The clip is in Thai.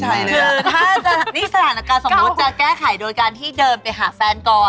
คือถ้านี่สถานการณ์สมมุติจะแก้ไขโดยการที่เดินไปหาแฟนก่อน